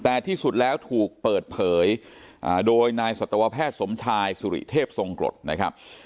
แต่ที่สุดแล้วถูกเปิดเผยโดยนายสัตวแพทย์สมชายสุริเทพทรงกรดนะครับ